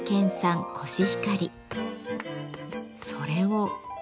それを。